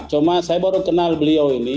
cuma saya baru kenal beliau ini